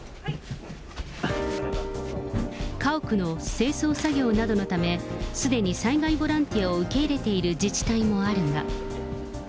家屋の清掃作業などのため、すでに災害ボランティアを受け入れている自治体もあるが。